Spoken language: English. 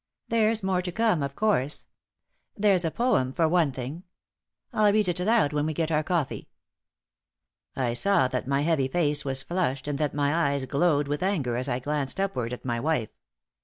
There's more to come, of course. There's a poem, for one thing. I'll read it aloud when we get our coffee." I saw that my heavy face was flushed and that my eyes glowed with anger as I glanced upward at my wife.